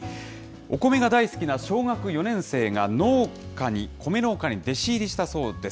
お米が大好きな小学４年生が農家に、米農家に弟子入りしたそうです。